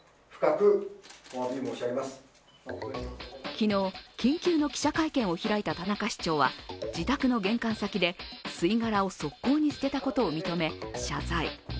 昨日、緊急の記者会見を開いた田中市長は自宅の玄関先で吸い殻を側溝に捨てたことを認め、謝罪。